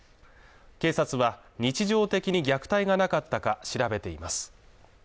警察は日常的に虐待がなかったか調べています